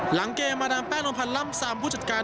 หลังเกมอดังแปดนมพันล้ำสามผู้จัดการ